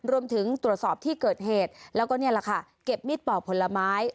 รวมถึงตรวจสอบที่เกิดเหตุแล้วก็นี่แหละค่ะเก็บมีดปอกผลไม้